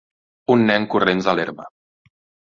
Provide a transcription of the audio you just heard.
Un nen corrents a l'herba